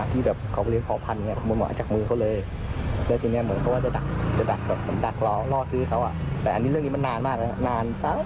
ที่แบบเขาวิเอียงพ่อพันธ์